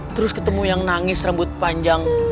terus ketemu yang nangis rambut panjang